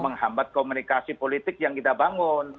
karena itu adalah tempat komunikasi politik yang kita bangun